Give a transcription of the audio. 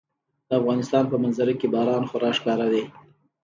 د افغانستان په منظره کې باران خورا ښکاره دی.